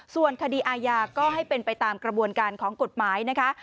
ส่วนคดีอาญาก็ให้เป็นไปตามกระบวนการของกฎหมายนะคะ